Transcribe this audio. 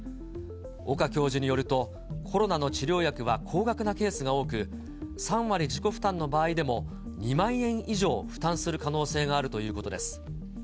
岡教授によると、コロナの治療薬は高額なケースが多く、３割自己負担の場合でも２万円以上負担する可能性があるということです。